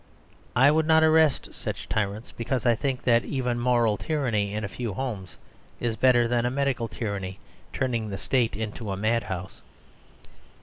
I would not arrest such tyrants, because I think that even moral tyranny in a few homes is better than a medical tyranny turning the state into a madhouse.